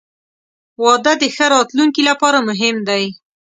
• واده د ښه راتلونکي لپاره مهم دی.